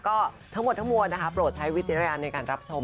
ก็ทั้งหมดทั้งมวลนะคะโปรดใช้วิจารณญาณในการรับชม